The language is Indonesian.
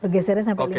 pegeseran sampai lima